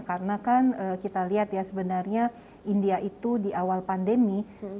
karena kan kita lihat ya sebenarnya india itu di awal pandemi